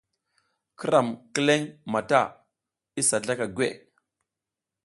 Ki ram kileƞ mata isa zlaka gweʼe.